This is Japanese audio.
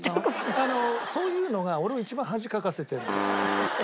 あのそういうのが俺を一番恥かかせてるの。